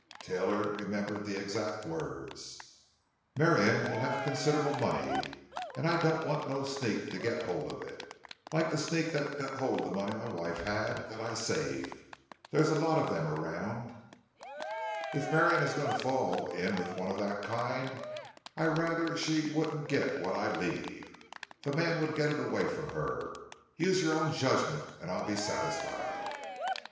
Taylor remembered the exact words: Marion will have considerable money and I don't want no sneak to get hold of it—like the sneak that got hold of the money my wife had, that I saved. There's a lot of them around. If Marion is going to fall in with one of that kind, I'd rather she wouldn't get what I leave; the man would get it away from her. Use your own judgment and I'll be satisfied.